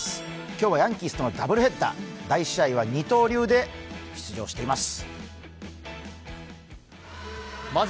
今日はヤンキースとのダブルヘッダー、第１試合は二刀流で出場しています。